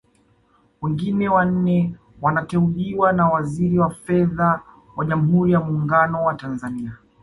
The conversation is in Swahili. Wengine wanne wanateuliwa na Waziri wa Fedha wa Jamhuri ya Muungano wa Tanzania